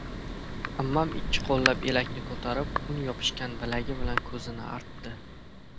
Ammam ikki qo‘llab elakni ko‘tarib un yopishgan bilagi bilan ko‘zini artdi.